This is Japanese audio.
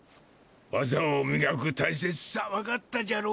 わざをみがく大切さ分かったじゃろ？